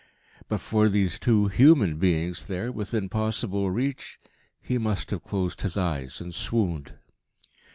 But for these two human beings there within possible reach, he must have closed his eyes and swooned.